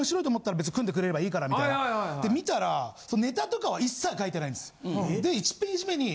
で見たらネタとかは一切書いてないんです。